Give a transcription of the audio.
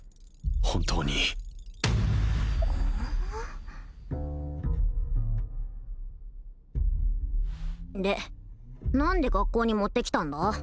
本当にで何で学校に持ってきたんだ？